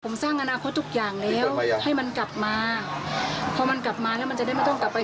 มันก็จะสบายผมคาดหวังเยอะว่าให้เขากลับมา